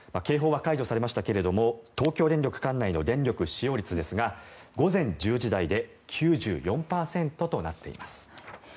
警報は解除されましたが東京電力管内の電力使用率ですが午前１０時台で９４％となっています。